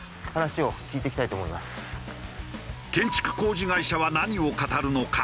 建築工事会社は何を語るのか？